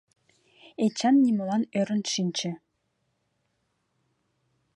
Эчан нимолан ӧрын шинче.